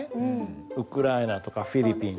ウクライナとかフィリピンとか。